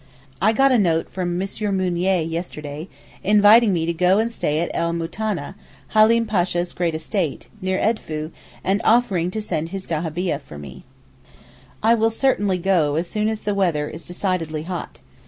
I got a note from M. Mounier yesterday, inviting me to go and stay at El Moutaneh, Halim Pasha's great estate, near Edfoo, and offering to send his dahabieh for me. I certainly will go as soon as the weather is decidedly hot.